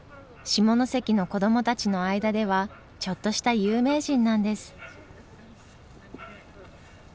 下関の子どもたちの間ではちょっとした有名人なんです。